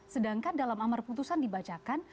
sedangkan dalam amar putusan dibacakan